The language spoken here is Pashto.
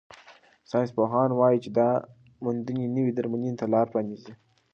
ساینسپوهان وايي چې دا موندنې نوې درملنې ته لار پرانیزي.